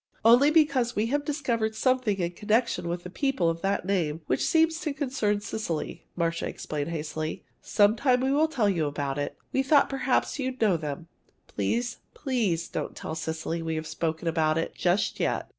"Only because we have discovered something in connection with people of that name, that seems to concern Cecily," Marcia explained hastily. "Sometime we will tell you all about it. We thought perhaps you'd know them. Please please don't tell Cecily we've spoken about it just yet."